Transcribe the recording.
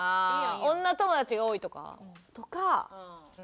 女友達が多いとか？とか。